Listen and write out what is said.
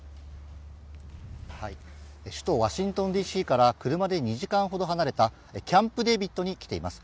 首都ワシントンＤＣから車で２時間ほど離れたキャンプ・デービッドに来ています。